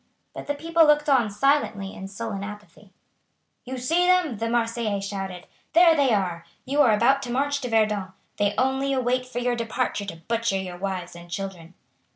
But the people looked on silently in sullen apathy. "You see them," the Marseillais shouted. "There they are. You are about to march to Verdun. They only wait for your departure to butcher your wives and children."